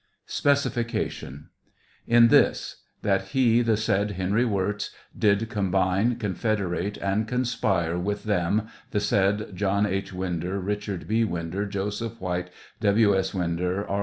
Specification. — In this : that he, the said Henry AVirz, did combine, confed erate, and conspire with them, the said John H. Winder, Richard B. Winder,. Joseph White, W. S. Winder, R.